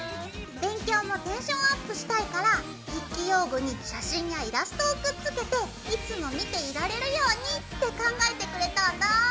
勉強もテンションアップしたいから筆記用具に写真やイラストをくっつけていつも見ていられるようにって考えてくれたんだ！